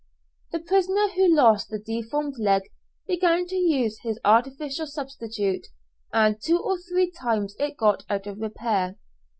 The prisoner who lost the deformed leg began to use his artificial substitute, and two or three times it got out of repair.